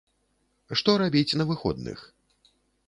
Што рабіць на выходных?